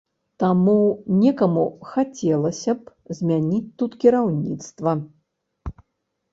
Таму некаму хацелася б змяніць тут кіраўніцтва.